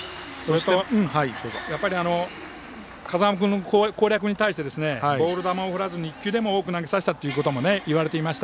やっぱり、風間君の攻略に対してボール球を振らずに１球でも多く投げさせたということを言われていました。